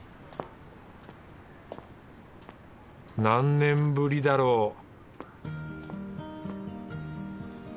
何年ぶりだろう